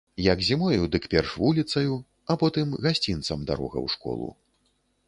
Як зімою, дык перш вуліцаю, а потым гасцінцам дарога ў школу.